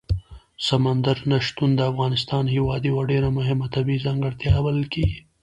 سمندر نه شتون د افغانستان هېواد یوه ډېره مهمه طبیعي ځانګړتیا بلل کېږي.